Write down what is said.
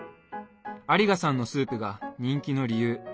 有賀さんのスープが人気の理由